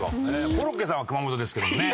コロッケさんは熊本ですけどもね。